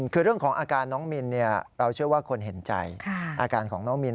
คือเรื่องของอาการน้องมินเราเชื่อว่าคนเห็นใจอาการของน้องมิน